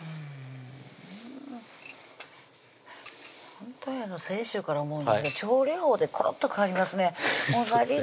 ほんとに先週から思うんですけど調理法でコロッと変わりますね同じね